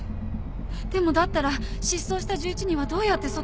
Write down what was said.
でもだったら失踪した１１人はどうやって外に？